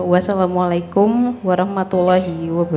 wassalamualaikum warahmatullahi wabarakatuh